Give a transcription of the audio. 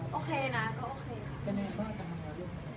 เพราะคือโดยส่วนตัวเต้าเต้าเคลียร์กันกับทางบริษัทชัดเจน